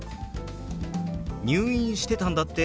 「入院してたんだって？